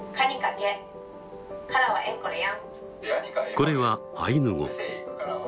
これはアイヌ語。